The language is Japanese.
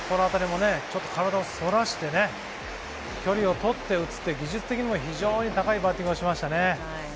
体をそらしてね、距離をとって、打つって、技術的に非常に高いバッティングをしましたね。